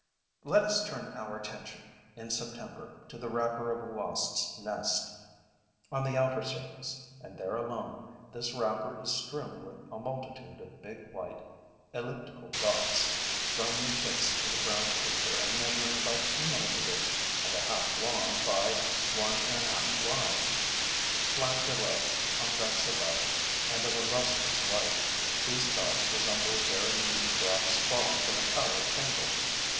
Let us turn our attention, in September, to the wrapper of a wasps' nest. On the outer surface and there alone, this wrapper is strewn with a multitude of big, white, elliptical dots, firmly fixed to the brown paper and measuring about two millimeters and a half long by one and a half wide. Flat below, convex above and of a lustrous white, these dots resemble very neat drops fallen from a tallow candle.